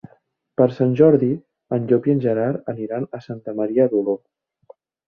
Per Sant Jordi en Llop i en Gerard aniran a Santa Maria d'Oló.